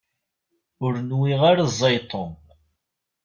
Ur nwiɣ ara ẓẓay Tom.